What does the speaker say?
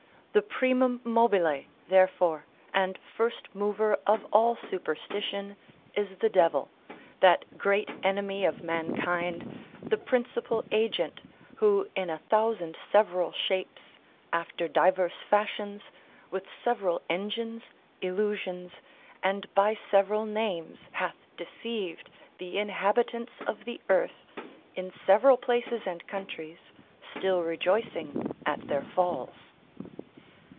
The primum mobile, therefore, and first mover of all superstition, is the devil, that great enemy of mankind, the principal agent, who in a thousand several, shapes, after diverse fashions, with several engines, illusions, and by several names hath deceived the inhabitants of the earth, in several places and countries, still rejoicing at their falls.